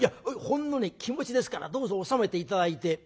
ほんのね気持ちですからどうぞ納めて頂いて」。